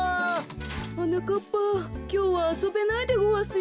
はなかっぱきょうはあそべないでごわすよ。